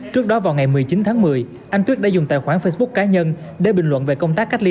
trước đó vào ngày một mươi chín tháng một mươi anh tuyết đã dùng tài khoản facebook cá nhân để bình luận về công tác cách ly